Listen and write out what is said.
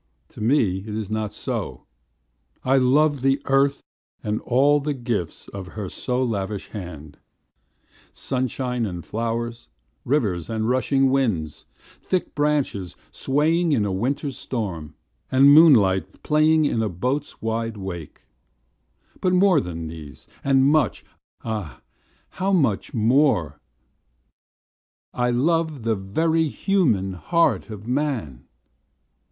To me it is not so. I love the earth And all the gifts of her so lavish hand: Sunshine and flowers, rivers and rushing winds, Thick branches swaying in a winter storm, And moonlight playing in a boat's wide wake; But more than these, and much, ah, how much more, I love the very human heart of man.